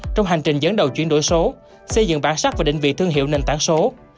trong hành trình dẫn đầu chuyển đổi số xây dựng bản sắc và định vị thương hiệu nền tảng số